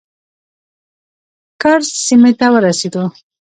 کرز سیمې ته ورسېدو.